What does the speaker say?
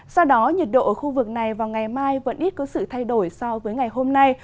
sau đó nhiệt độ ở khu vực này vào ngày mai vẫn ít có sự thay đổi so với ngày hôm nay